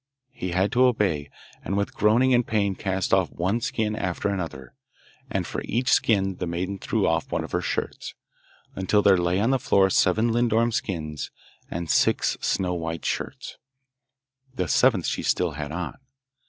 He had to obey, and with groaning and pain cast off one skin after another, and for each skin the maiden threw off one of her shirts, until there lay on the floor seven lindorm skins and six snow white shirts; the seventh she still had on.